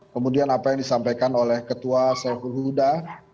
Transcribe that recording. kemudian apa yang disampaikan oleh ketua sehuda